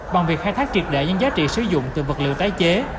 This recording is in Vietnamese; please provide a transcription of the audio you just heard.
bằng việc khai thác triệt đệ những giá trị sử dụng từ vật liệu tái chế